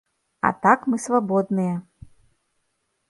А так, мы свабодныя.